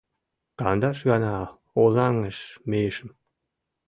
Кандаш гана Озаҥыш мийышым